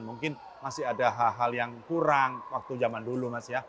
mungkin masih ada hal hal yang kurang waktu zaman dulu mas ya